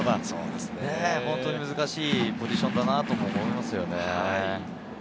本当に難しいポジションだなと思います。